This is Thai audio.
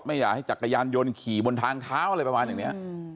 ไม่อยากให้จักรยานยนต์ขี่บนทางเท้าอะไรประมาณอย่างนี้